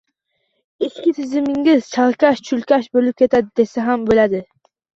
Ichki tizimingiz chalkash-chulkash bo‘lib ketadi desa ham bo‘ladi.